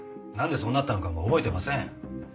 なんでそうなったのかも覚えてません。